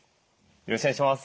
よろしくお願いします。